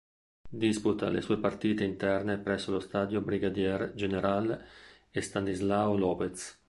Disputa le sue partite interne presso lo Stadio Brigadier General Estanislao López.